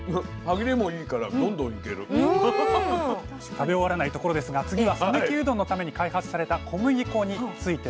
食べ終わらないところですが次は讃岐うどんのために開発された小麦粉についてです。